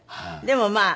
でもまあ。